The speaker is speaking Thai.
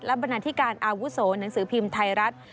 บรรณาธิการอาวุโสหนังสือพิมพ์ไทยรัฐ